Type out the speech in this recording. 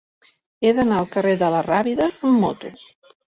He d'anar al carrer de la Rábida amb moto.